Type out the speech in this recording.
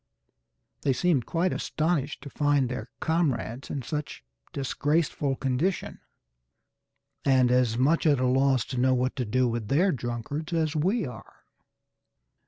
They seemed quite astonished to find their comrades in such disgraceful condition, and as much at a loss to know what to do with their drunkards as we are.